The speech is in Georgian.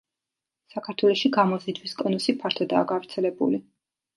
საქართველოში გამოზიდვის კონუსი ფართოდაა გავრცელებული.